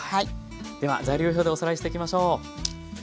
では材料表でおさらいしていきましょう。